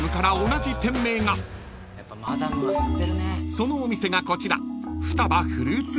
［そのお店がこちら］